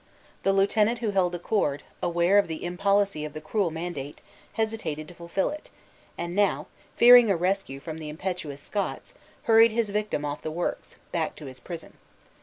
The lieutenant who held the cord, aware of the impolicy of the cruel mandate, hesitated to fulfill it; and now, fearing a rescue from the impetuous Scots, hurried his victim off the works, back to his prison.